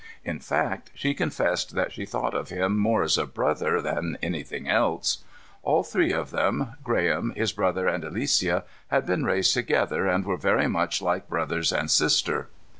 In fact, she confessed that she thought of him more as a brother than anything else. All three of them, Graham, his brother and Alicia, had been raised together and were very much like brothers and sister.